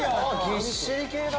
ぎっしり系だ。